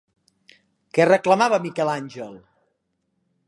Què reclamava Miquel Àngel?